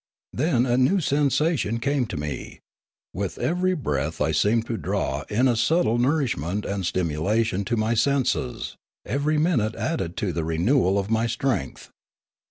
Then £ new sensation came to me; with every breath I seemed to draw in a subtle nourishment and stimulation to my senses; every minute added to the renewal of my strength.